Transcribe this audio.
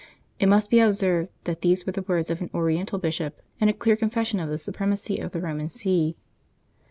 It must be observed that these were the words of an Oriental bishop, and a clear confession of the supremacy of the Eoman See.